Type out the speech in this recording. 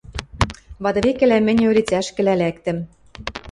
Вады векӹлӓ мӹньӹ ӧлицӓшкӹлӓ лӓктӹм.